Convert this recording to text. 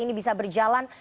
ini bisa berjalan